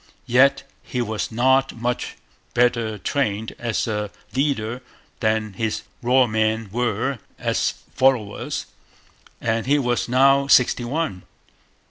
Yet he was not much better trained as a leader than his raw men were as followers, and he was now sixty one.